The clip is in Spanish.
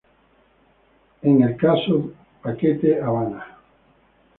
En el caso "Paquete Habana!